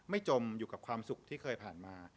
จมอยู่กับความสุขที่เคยผ่านมา